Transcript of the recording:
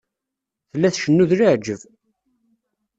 Tella tcennu d leɛǧeb.